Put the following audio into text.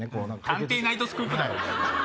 ナイトスクープ』だよ。